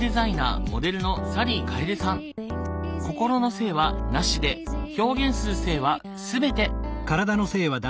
心の性は無しで表現する性は全て。